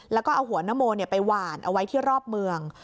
แล้วก็เอาหัวนโมไปหวานเอาไว้ที่รอบเมือง